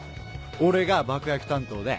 俺が爆薬担当で。